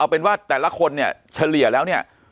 เอาเป็นว่าแต่ละคนเฉลี่ยแล้ว